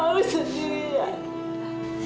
mama gak mau sendirian